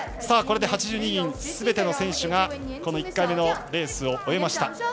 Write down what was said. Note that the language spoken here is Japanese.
これで８２人すべての選手が１回目のレースを終えました。